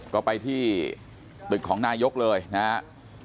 ก็ไปที่ตึกของนายกเลยนะครับ